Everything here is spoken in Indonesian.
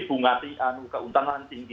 bunga keuntungan tinggi